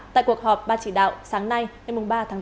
tại cuộc họp ban chỉ đạo sáng nay ngày ba tháng sáu